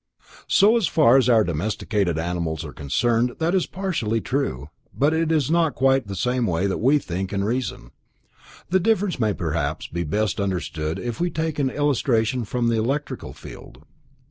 So far as our domesticated animals are concerned that is partially true, but it is not quite in the same way that we think and reason. The difference may perhaps best be understood if we take an illustration from the electrical field.